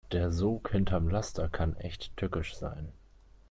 Der Sog hinterm Laster kann echt tückisch sein.